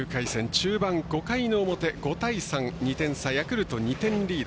中盤、５回の表、５対３２点差、ヤクルト２点リード。